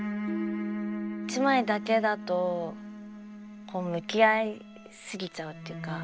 一枚だけだとこう向き合い過ぎちゃうっていうか。